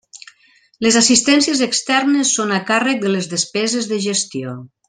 Les assistències externes són a càrrec de les despeses de gestió.